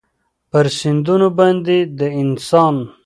پر سیندونو باندې د انسان